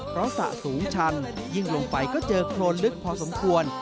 เพราะสระสูงชันยิ่งลงไปก็เจอโครนลึกพอสมควร